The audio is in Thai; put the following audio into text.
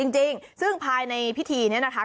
จริงซึ่งภายในพิธีนี้นะคะ